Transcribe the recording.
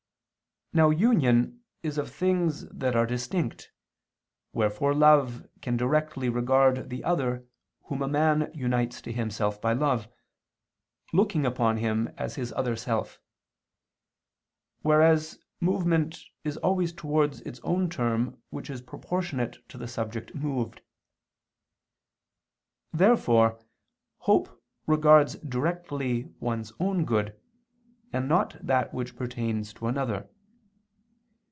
Now union is of things that are distinct, wherefore love can directly regard the other whom a man unites to himself by love, looking upon him as his other self: whereas movement is always towards its own term which is proportionate to the subject moved. Therefore hope regards directly one's own good, and not that which pertains to another.